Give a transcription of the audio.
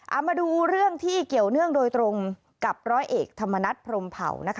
เอามาดูเรื่องที่เกี่ยวเนื่องโดยตรงกับร้อยเอกธรรมนัฐพรมเผานะคะ